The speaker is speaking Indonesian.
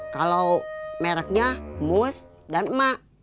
kalau mereknya mus dan emak